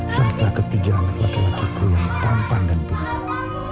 serta ketiga anak laki lakiku yang tampan dan punggung